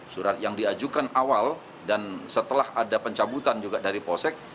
surat yang diajukan awal dan setelah ada pencabutan juga dari polsek